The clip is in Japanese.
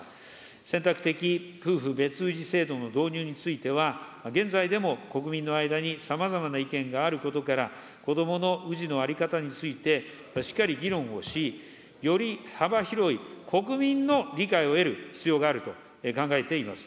選択的夫婦別氏制度の導入については、現在でも、国民の間にさまざまな意見があることから、子どもの氏の在り方について、しっかり議論をし、より幅広い国民の理解を得る必要があると考えています。